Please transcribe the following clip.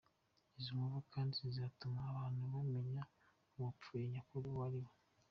Izi nkovu kandi zizatuma abantu bamenya uwapfuye nyakuri uwo ari we.